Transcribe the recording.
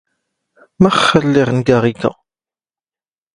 ⵎⴰⵅⵅ ⴰ ⵍⵍⵉⴳ ⵏⴳⴰ ⵖⵉⴽⴰ?